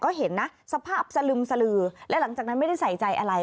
ก็เห็นนะสภาพสลึมสลือและหลังจากนั้นไม่ได้ใส่ใจอะไร